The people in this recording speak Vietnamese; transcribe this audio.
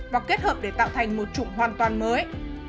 và kết hợp để tạo thành một chủng hoàn toàn mới